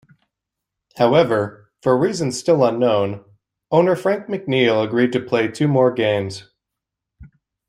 However, for reason still unknown, owner Frank McNeil agreed to play two more games.